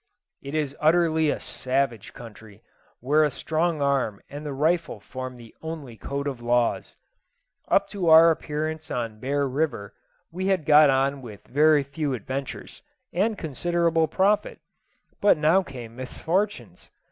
It is utterly a savage country, where a strong arm and the rifle form the only code of laws. Up to our appearance on Bear River, we had got on with very few adventures, and considerable profit; but now came misfortunes.